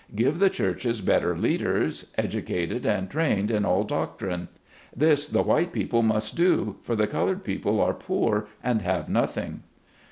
Give the churches better leaders, educated and trained in all doctrine. This the white people SPECIAL TRAITS. 115 must do, for the colored people are poor and have nothing.